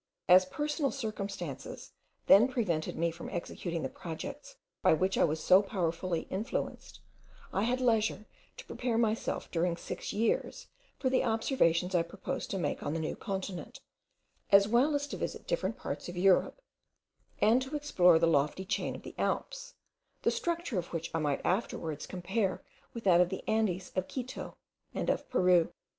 As personal circumstances then prevented me from executing the projects by which I was so powerfully influenced, I had leisure to prepare myself during six years for the observations I proposed to make on the New Continent, as well as to visit different parts of Europe, and to explore the lofty chain of the Alps, the structure of which I might afterwards compare with that of the Andes of Quito and of Peru.